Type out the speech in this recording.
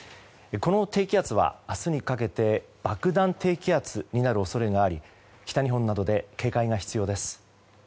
この低気圧は、明日にかけて爆弾低気圧になる恐れがあり北日本などで警戒が必要です。